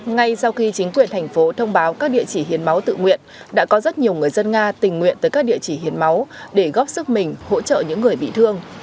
ngay sau khi chính quyền thành phố thông báo các địa chỉ hiến máu tự nguyện đã có rất nhiều người dân nga tình nguyện tới các địa chỉ hiến máu để góp sức mình hỗ trợ những người bị thương